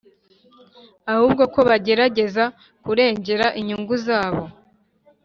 Ahubwo ko bagerageza kurengera inyungu zabo